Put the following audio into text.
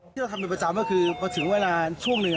ที่เราทำเป็นประจำก็คือพอถึงเวลาช่วงหนึ่ง